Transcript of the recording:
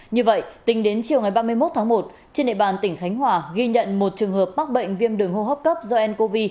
như vậy tính đến chiều ngày ba mươi một tháng một trên địa bàn tỉnh khánh hòa ghi nhận một trường hợp mắc bệnh viêm đường hô hấp cấp do ncov